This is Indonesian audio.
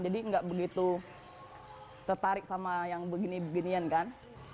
jadi nggak begitu tertarik sama yang begini beginian kan